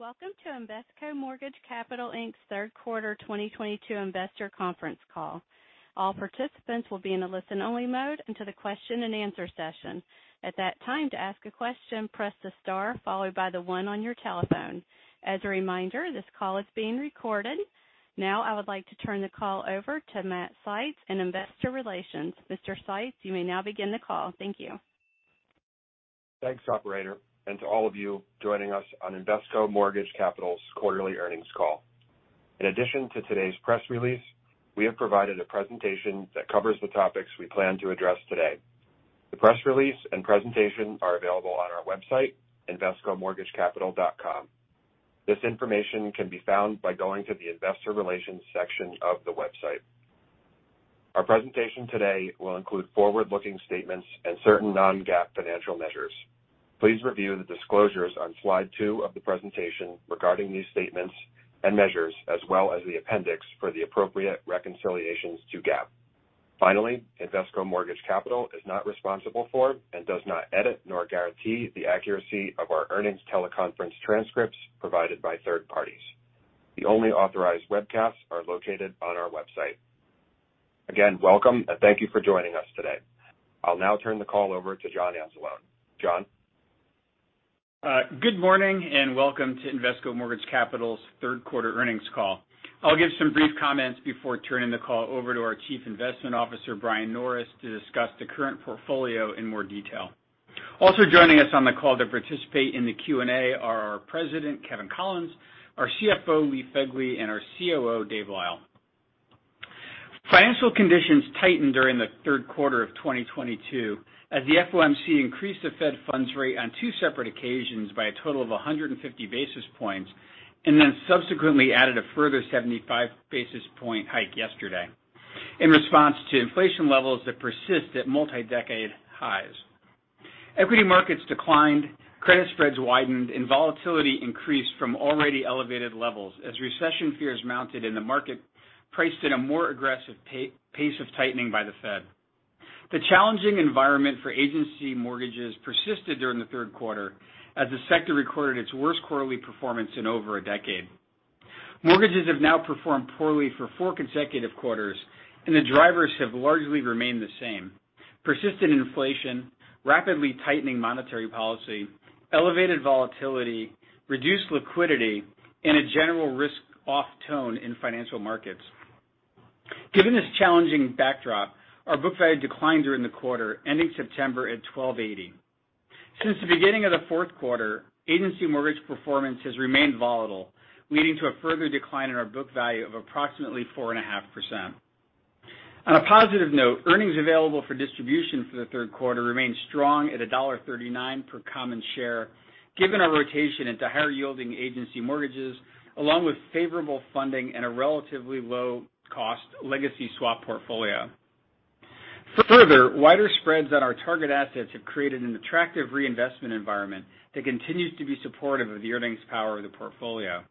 Welcome to Invesco Mortgage Capital Inc.'s Third Quarter 2022 Investor Conference Call. All participants will be in a listen-only mode until the question and answer session. At that time, to ask a question, press the star followed by the one on your telephone. As a reminder, this call is being recorded. Now I would like to turn the call over to Matt Seitz in investor relations. Mr. Seitz, you may now begin the call. Thank you. Thanks, operator, and to all of you joining us on Invesco Mortgage Capital's Quarterly Earnings Call. In addition to today's press release, we have provided a presentation that covers the topics we plan to address today. The press release and presentation are available on our website, invescomortgagecapital.com. This information can be found by going to the investor relations section of the website. Our presentation today will include forward-looking statements and certain non-GAAP financial measures. Please review the disclosures on slide two of the presentation regarding these statements and measures, as well as the appendix for the appropriate reconciliations to GAAP. Finally, Invesco Mortgage Capital is not responsible for, and does not edit nor guarantee the accuracy of our earnings teleconference transcripts provided by third parties. The only authorized webcasts are located on our website. Again, welcome, and thank you for joining us today. I'll now turn the call over to John Anzalone. John? Good morning, and welcome to Invesco Mortgage Capital's third quarter earnings call. I'll give some brief comments before turning the call over to our Chief Investment Officer, Brian Norris, to discuss the current portfolio in more detail. Also joining us on the call to participate in the Q&A are our President, Kevin Collins, our CFO, Lee Phegley, and our COO, Dave Lyle. Financial conditions tightened during the third quarter of 2022 as the FOMC increased the federal funds rate on two separate occasions by a total of 150 basis points, and then subsequently added a further 75 basis point hike yesterday, in response to inflation levels that persist at multi-decade highs. Equity markets declined, credit spreads widened, and volatility increased from already elevated levels as recession fears mounted and the market priced in a more aggressive pace of tightening by the Fed. The challenging environment for agency mortgages persisted during the third quarter as the sector recorded its worst quarterly performance in over a decade. Mortgages have now performed poorly for four consecutive quarters, and the drivers have largely remained the same. Persistent inflation, rapidly tightening monetary policy, elevated volatility, reduced liquidity, and a general risk-off tone in financial markets. Given this challenging backdrop, our book value declined during the quarter, ending September at $12.80. Since the beginning of the fourth quarter, agency mortgage performance has remained volatile, leading to a further decline in our book value of approximately 4.5%. On a positive note, Earnings Available for Distribution for the third quarter remained strong at $1.39 per common share, given our rotation into higher-yielding agency mortgages, along with favorable funding and a relatively low-cost legacy swap portfolio. Further, wider spreads on our target assets have created an attractive reinvestment environment that continues to be supportive of the earnings power of the portfolio.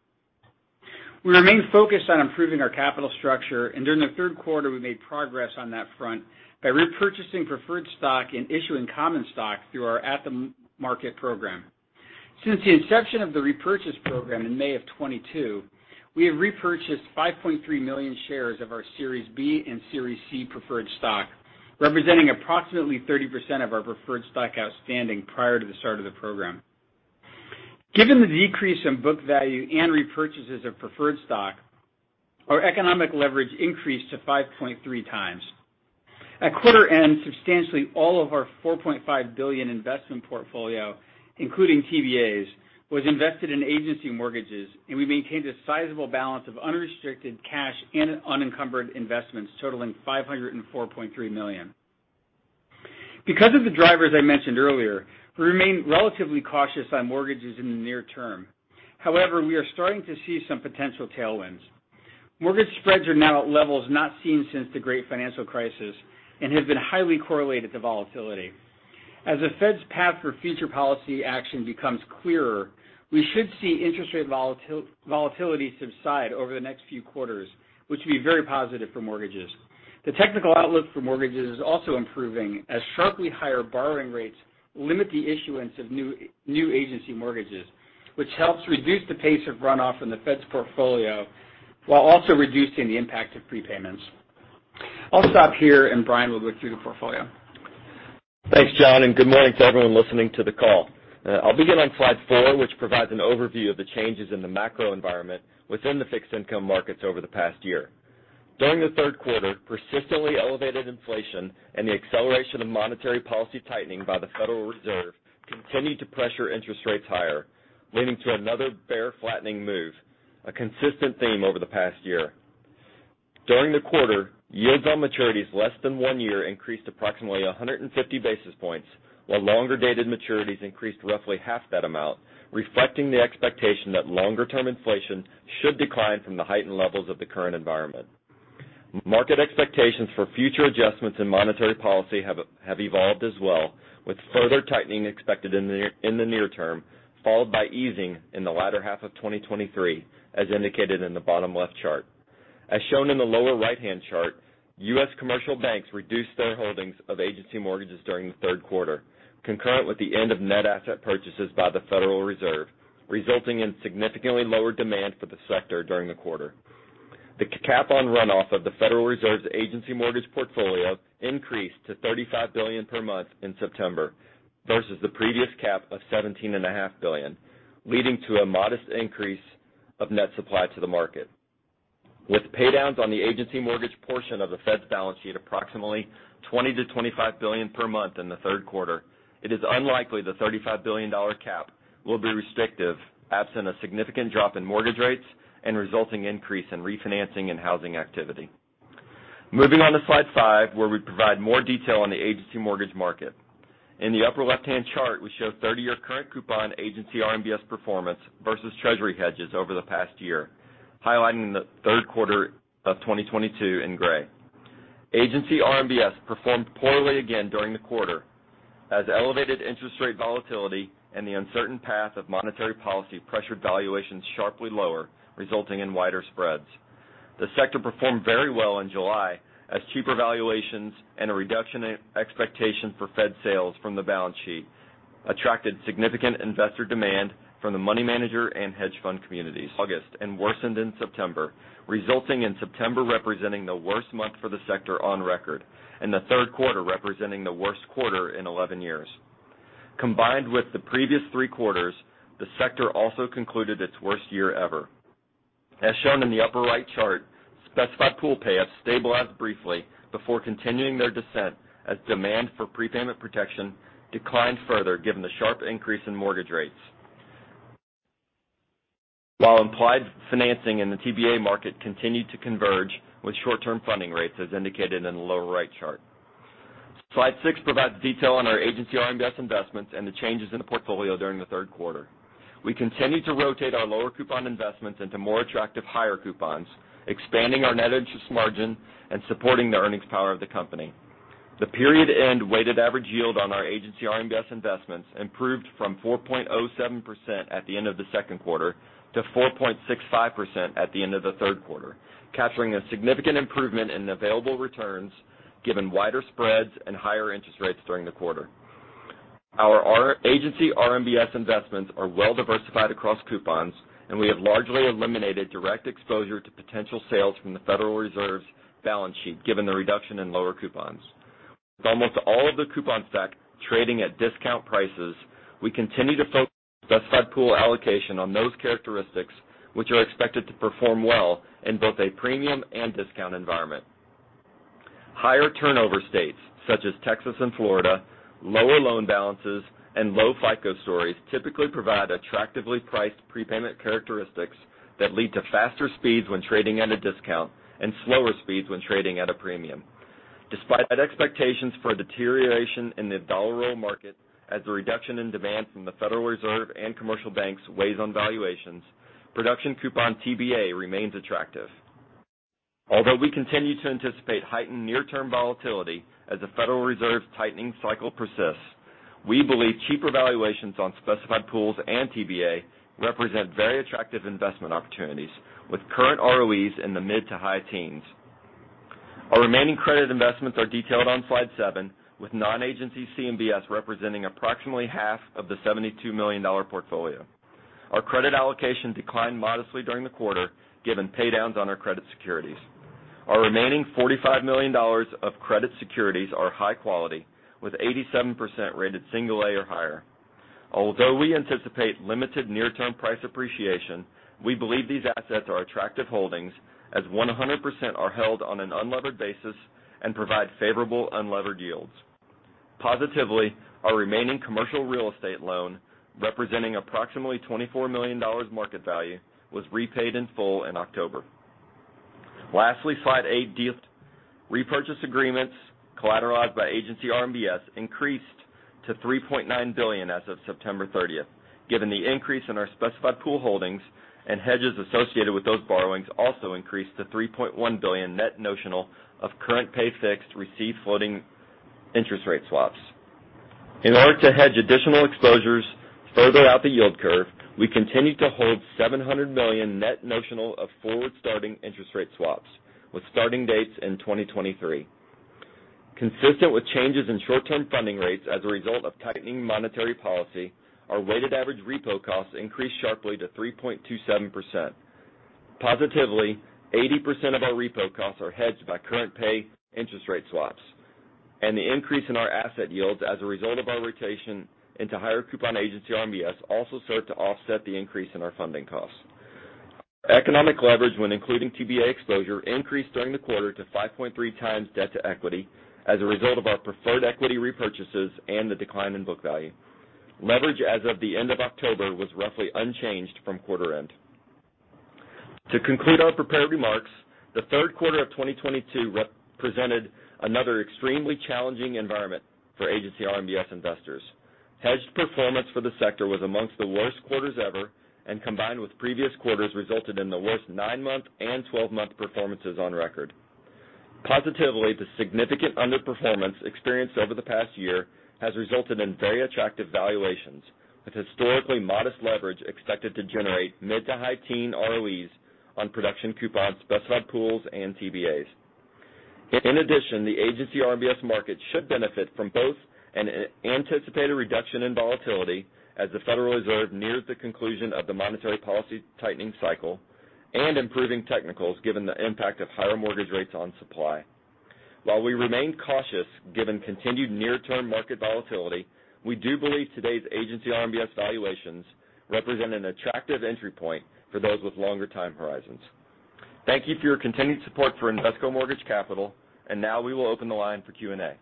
We remain focused on improving our capital structure, and during the third quarter, we made progress on that front by repurchasing preferred stock and issuing common stock through our at-the-market program. Since the inception of the repurchase program in May of 2022, we have repurchased 5.3 million shares of our Series B and Series C preferred stock, representing approximately 30% of our preferred stock outstanding prior to the start of the program. Given the decrease in book value and repurchases of preferred stock, our economic leverage increased to 5.3x. At quarter end, substantially all of our $4.5 billion investment portfolio, including TBAs, was invested in agency mortgages, and we maintained a sizable balance of unrestricted cash and unencumbered investments totaling $504.3 million. Because of the drivers I mentioned earlier, we remain relatively cautious on mortgages in the near term. However, we are starting to see some potential tailwinds. Mortgage spreads are now at levels not seen since the great financial crisis and have been highly correlated to volatility. As the Fed's path for future policy action becomes clearer, we should see interest rate volatility subside over the next few quarters, which would be very positive for mortgages. The technical outlook for mortgages is also improving as sharply higher borrowing rates limit the issuance of new agency mortgages, which helps reduce the pace of runoff in the Fed's portfolio while also reducing the impact of prepayments. I'll stop here, and Brian will go through the portfolio. Thanks, John, and good morning to everyone listening to the call. I'll begin on slide four, which provides an overview of the changes in the macro environment within the fixed income markets over the past year. During the third quarter, persistently elevated inflation and the acceleration of monetary policy tightening by the Federal Reserve continued to pressure interest rates higher, leading to another bear flattening move, a consistent theme over the past year. During the quarter, yields on maturities less than one year increased approximately 150 basis points, while longer-dated maturities increased roughly half that amount, reflecting the expectation that longer-term inflation should decline from the heightened levels of the current environment. Market expectations for future adjustments in monetary policy have evolved as well, with further tightening expected in the near term, followed by easing in the latter half of 2023, as indicated in the bottom left chart. As shown in the lower right-hand chart, U.S. commercial banks reduced their holdings of agency mortgages during the third quarter, concurrent with the end of net asset purchases by the Federal Reserve, resulting in significantly lower demand for the sector during the quarter. The cap on run-off of the Federal Reserve's agency mortgage portfolio increased to $35 billion per month in September versus the previous cap of $17.5 billion, leading to a modest increase of net supply to the market. With paydowns on the Agency mortgage portion of the Fed's balance sheet approximately $20-$25 billion per month in the third quarter, it is unlikely the $35 billion cap will be restrictive absent a significant drop in mortgage rates and resulting increase in refinancing and housing activity. Moving on to slide five, where we provide more detail on the Agency mortgage market. In the upper left-hand chart, we show 30-year current coupon Agency RMBS performance versus Treasury hedges over the past year, highlighting the third quarter of 2022 in gray. Agency RMBS performed poorly again during the quarter as elevated interest rate volatility and the uncertain path of monetary policy pressured valuations sharply lower, resulting in wider spreads. The sector performed very well in July as cheaper valuations and a reduction in expectations for Fed sales from the balance sheet attracted significant investor demand from the money manager and hedge fund communities. It weakened [inaudible] in August and worsened in September, resulting in September representing the worst month for the sector on record, and the third quarter representing the worst quarter in 11 years. Combined with the previous three quarters, the sector also concluded its worst year ever. As shown in the upper right chart, specified pool payoffs stabilized briefly before continuing their descent as demand for prepayment protection declined further given the sharp increase in mortgage rates, while implied financing in the TBA market continued to converge with short-term funding rates, as indicated in the lower right chart. Slide six provides detail on our Agency RMBS investments and the changes in the portfolio during the third quarter. We continued to rotate our lower coupon investments into more attractive higher coupons, expanding our net interest margin and supporting the earnings power of the company. The period-end weighted average yield on our agency RMBS investments improved from 4.07% at the end of the second quarter to 4.65% at the end of the third quarter, capturing a significant improvement in available returns given wider spreads and higher interest rates during the quarter. Our agency RMBS investments are well diversified across coupons, and we have largely eliminated direct exposure to potential sales from the Federal Reserve's balance sheet given the reduction in lower coupons. With almost all of the coupon stack trading at discount prices, we continue to focus specified pool allocation on those characteristics which are expected to perform well in both a premium and discount environment. Higher turnover states, such as Texas and Florida, lower loan balances, and low FICO scores typically provide attractively priced prepayment characteristics that lead to faster speeds when trading at a discount and slower speeds when trading at a premium. Despite expectations for a deterioration in the dollar roll market as the reduction in demand from the Federal Reserve and commercial banks weighs on valuations, production coupon TBA remains attractive. Although we continue to anticipate heightened near-term volatility as the Federal Reserve tightening cycle persists, we believe cheaper valuations on specified pools and TBA represent very attractive investment opportunities with current ROEs in the mid to high teens. Our remaining credit investments are detailed on slide seven, with non-agency CMBS representing approximately half of the $72 million portfolio. Our credit allocation declined modestly during the quarter, given paydowns on our credit securities. Our remaining $45 million of credit securities are high quality, with 87% rated single A or higher. Although we anticipate limited near-term price appreciation, we believe these assets are attractive holdings as 100% are held on an unlevered basis and provide favorable unlevered yields. Positively, our remaining commercial real estate loan, representing approximately $24 million market value, was repaid in full in October. Lastly, slide eight details, repurchase agreements collateralized by Agency RMBS increased to $3.9 billion as of 30 September. Given the increase in our specified pool holdings and hedges associated with those borrowings also increased to $3.1 billion net notional of current pay fixed receive floating interest rate swaps. In order to hedge additional exposures further out the yield curve, we continued to hold $700 million net notional of forward-starting interest rate swaps, with starting dates in 2023. Consistent with changes in short-term funding rates as a result of tightening monetary policy, our weighted average repo costs increased sharply to 3.27%. Positively, 80% of our repo costs are hedged by current pay interest rate swaps, and the increase in our asset yields as a result of our rotation into higher coupon Agency RMBS also start to offset the increase in our funding costs. Economic leverage when including TBA exposure increased during the quarter to 5.3x debt to equity as a result of our preferred equity repurchases and the decline in book value. Leverage as of the end of October was roughly unchanged from quarter-end. To conclude our prepared remarks, the third quarter of 2022 represented another extremely challenging environment for Agency RMBS investors. Hedged performance for the sector was among the worst quarters ever, and combined with previous quarters, resulted in the worst nine-month and 12-month performances on record. Positively, the significant underperformance experienced over the past year has resulted in very attractive valuations, with historically modest leverage expected to generate mid- to high-teen ROEs on production coupons, specified pools, and TBAs. In addition, the Agency RMBS market should benefit from both an anticipated reduction in volatility as the Federal Reserve nears the conclusion of the monetary policy tightening cycle, and improving technicals given the impact of higher mortgage rates on supply. While we remain cautious given continued near-term market volatility, we do believe today's Agency RMBS valuations represent an attractive entry point for those with longer time horizons. Thank you for your continued support for Invesco Mortgage Capital. Now we will open the line for Q&A.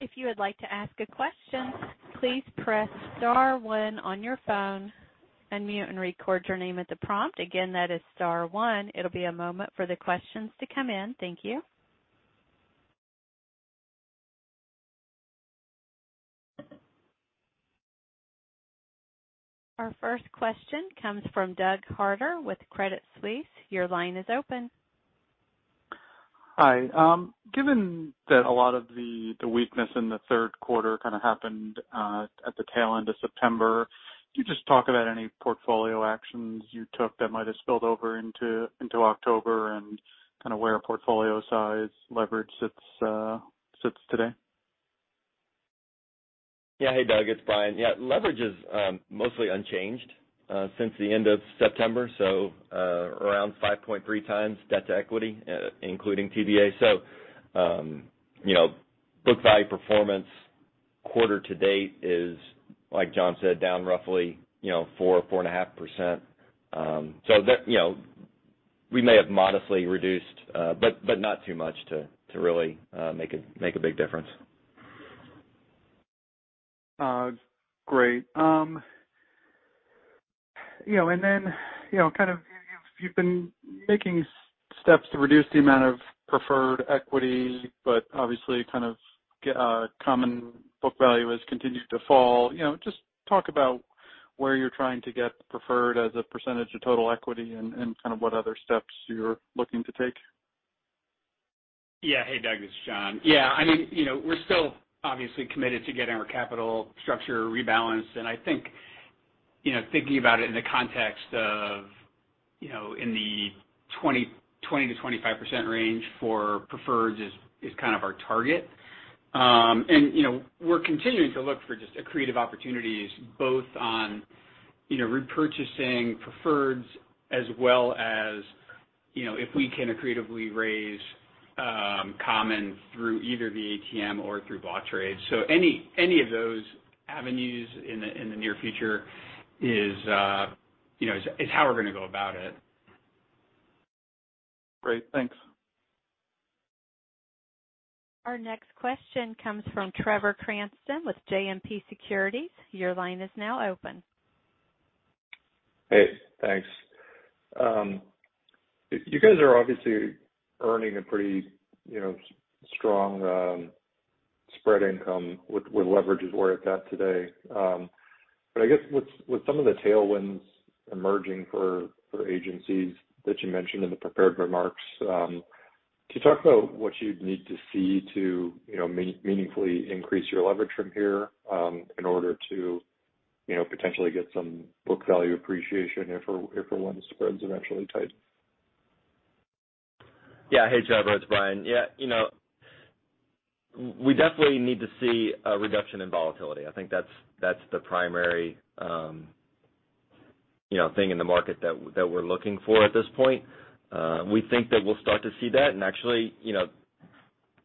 If you would like to ask a question, please press star one on your phone and mute and record your name at the prompt. Again, that is star one. It'll be a moment for the questions to come in. Thank you. Our first question comes from Doug Harter with Credit Suisse. Your line is open. Hi. Given that a lot of the weakness in the third quarter kinda happened at the tail end of September, can you just talk about any portfolio actions you took that might have spilled over into October and kinda where portfolio size leverage sits today? Hey, Doug, it's Brian. Leverage is mostly unchanged since the end of September, so around 5.3x debt to equity, including TBA. You know, book value performance quarter to date is, like John said, down roughly 4-4.5%. That, you know, we may have modestly reduced, but not too much to really make a big difference. Great. You know, then you know, kind of you've been making steps to reduce the amount of preferred equity, but obviously kind of common book value has continued to fall. You know, just talk about where you're trying to get preferred as a percentage of total equity and kind of what other steps you're looking to take. Yeah. Hey, Doug, this is John. Yeah, I mean, you know, we're still obviously committed to getting our capital structure rebalanced, and I think, you know, thinking about it in the context of, you know, in the 20%-25% range for preferreds is kind of our target. And, you know, we're continuing to look for just accretive opportunities both on, you know, repurchasing preferreds as well as, you know, if we can accretively raise common through either the ATM or through block trade. Any of those avenues in the near future is how we're gonna go about it. Great. Thanks. Our next question comes from Trevor Cranston with JMP Securities. Your line is now open. Hey, thanks. You guys are obviously earning a pretty, you know, strong spread income with where leverage is at today. But I guess with some of the tailwinds emerging for agencies that you mentioned in the prepared remarks, could you talk about what you'd need to see to, you know, meaningfully increase your leverage from here, in order to, you know, potentially get some book value appreciation if or when the spreads eventually tighten? Yeah. Hey, Trevor, it's Brian. Yeah. You know, we definitely need to see a reduction in volatility. I think that's the primary, you know, thing in the market that we're looking for at this point. We think that we'll start to see that. Actually, you know,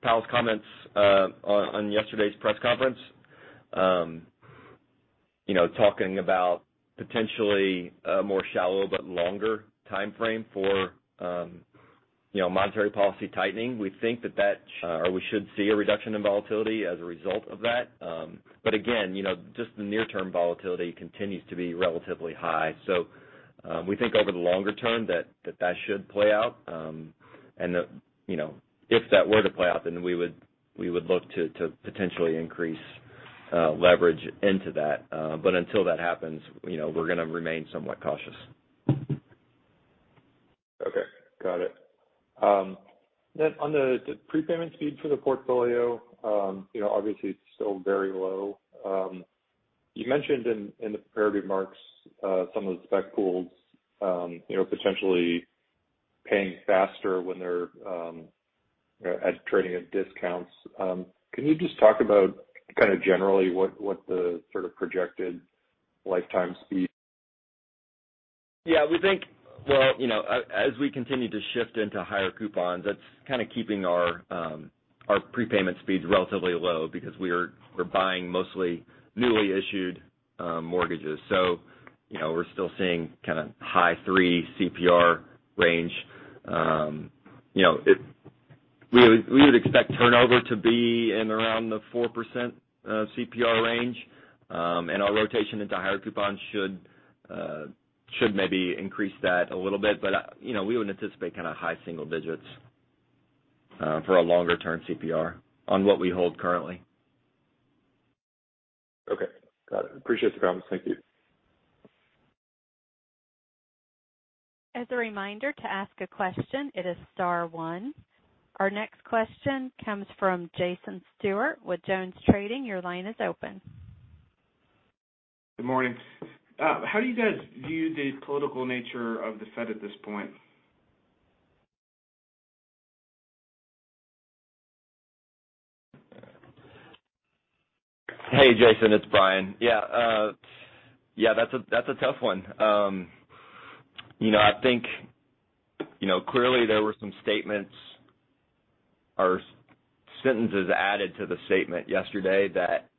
Powell's comments on yesterday's press conference, you know, talking about potentially a more shallow but longer timeframe for, you know, monetary policy tightening, we think that or we should see a reduction in volatility as a result of that. But again, you know, just the near-term volatility continues to be relatively high. We think over the longer term that that should play out. If that were to play out, then we would look to potentially increase leverage into that. But until that happens, you know, we're gonna remain somewhat cautious. Okay. Got it. On the prepayment speed for the portfolio, you know, obviously it's still very low. You mentioned in the prepared remarks, some of the spec pools, you know, potentially paying faster when they're trading at discounts. Can you just talk about kinda generally what the sort of projected lifetime speed? Yeah. We think. Well, you know, as we continue to shift into higher coupons, that's keeping our prepayment speeds relatively low because we're buying mostly newly issued mortgages. You know, we're still seeing kind of high three CPR range. We would expect turnover to be in around the 4% CPR range. And our rotation into higher coupons should maybe increase that a little bit. But you know, we would anticipate kind of high single digits for a longer-term CPR on what we hold currently. Appreciate the comments. Thank you. As a reminder, to ask a question, it is star one. Our next question comes from Jason Stewart with Jones Trading. Your line is open. Good morning. How do you guys view the political nature of the Fed at this point? Hey, Jason, it's Brian. Yeah. Yeah, that's a tough one. You know, I think, you know, clearly there were some statements or sentences added to the statement yesterday that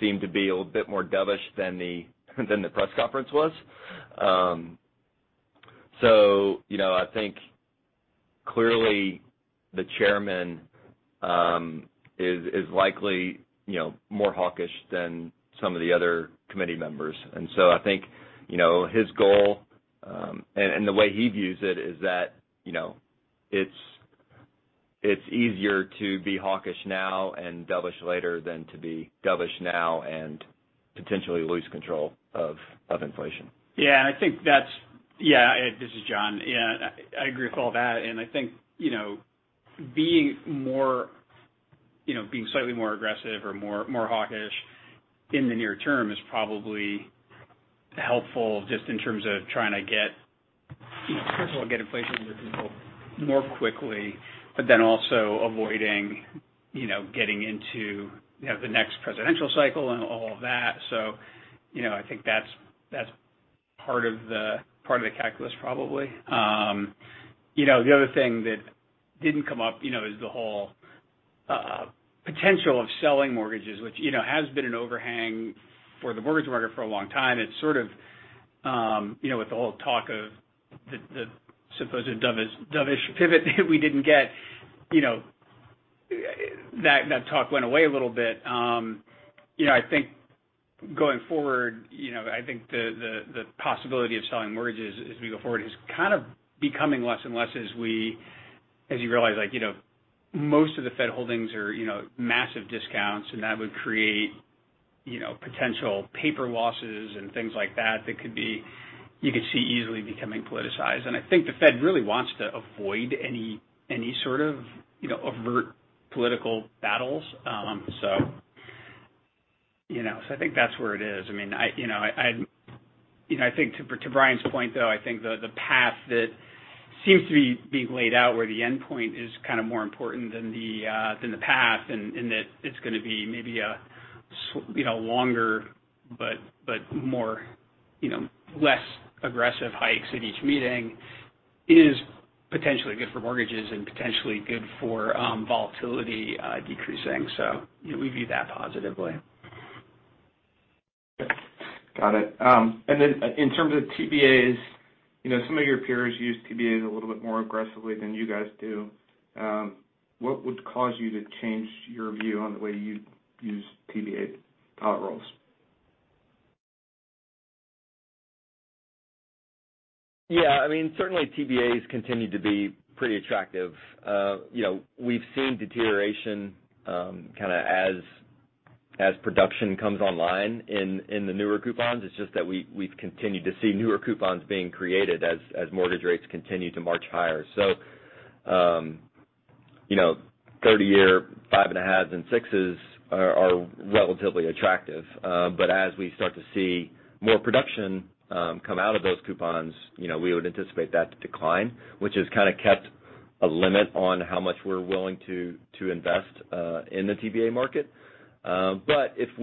seemed to be a bit more dovish than the press conference was. You know, I think clearly the chairman is likely, you know, more hawkish than some of the other committee members. I think, you know, his goal and the way he views it is that, you know, it's easier to be hawkish now and dovish later than to be dovish now and potentially lose control of inflation. This is John. I agree with all that. I think you know, being slightly more aggressive or more hawkish in the near term is probably helpful just in terms of trying to get, you know, first of all, get inflation under control more quickly, but then also avoiding, you know, getting into, you know, the next presidential cycle and all of that. You know, I think that's part of the calculus, probably. You know, the other thing that didn't come up, you know, is the whole potential of selling mortgages, which, you know, has been an overhang for the mortgage market for a long time. It's sort of, you know, with the whole talk of the supposed dovish pivot that we didn't get, you know, that talk went away a little bit. You know, I think going forward, you know, I think the possibility of selling mortgages as we go forward is kind of becoming less and less as you realize, like, you know, most of the Fed holdings are, you know, massive discounts, and that would create, you know, potential paper losses and things like that could easily become politicized. I think the Fed really wants to avoid any sort of, you know, overt political battles. I think that's where it is. I mean, you know, I think to Brian's point, though, I think the path that seems to be laid out where the end-point is kind of more important than the path and that it's gonna be maybe a somewhat longer, but more, you know, less aggressive hikes at each meeting is potentially good for mortgages and potentially good for volatility decreasing. You know, we view that positively. Got it. In terms of TBAs, you know, some of your peers use TBAs a little bit more aggressively than you guys do. What would cause you to change your view on the way you use TBA dollar rolls? Yeah, I mean, certainly TBAs continue to be pretty attractive. You know, we've seen deterioration, kinda as production comes online in the newer coupons. It's just that we've continued to see newer coupons being created as mortgage rates continue to march higher. You know, 30-year 5.5s and sixes are relatively attractive. But as we start to see more production come out of those coupons, you know, we would anticipate that to decline, which has kinda kept a limit on how much we're willing to invest in the TBA market. If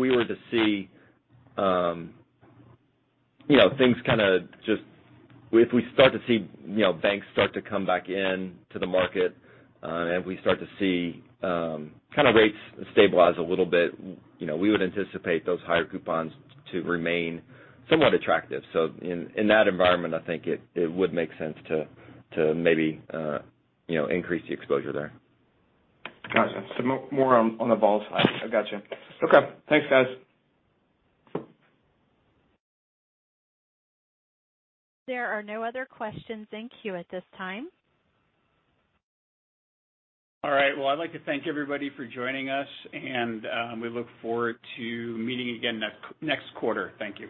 we start to see, you know, banks start to come back in to the market, and we start to see, kind of rates stabilize a little bit, you know, we would anticipate those higher coupons to remain somewhat attractive. In that environment, I think it would make sense to maybe, you know, increase the exposure there. Gotcha. More on the vault side. I gotcha. Okay. Thanks, guys. There are no other questions in queue at this time. All right. Well, I'd like to thank everybody for joining us, and we look forward to meeting again next quarter. Thank you.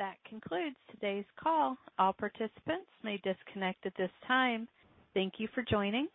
That concludes today's call. All participants may disconnect at this time. Thank you for joining.